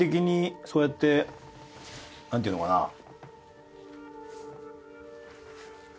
そうやって何ていうのかな。